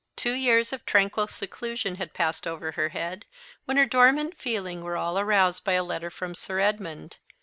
Two years of tranquil seclusion had passed over her head when her dormant feeling were all aroused by a letter from Sir Edmund.